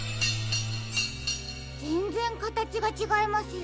ぜんぜんかたちがちがいますよ。